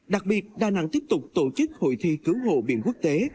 đặc biệt đà nẵng tiếp tục tổ chức hội thi cứu hộ biển quốc tế